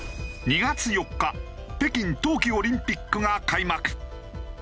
２月４日北京冬季オリンピックが開幕。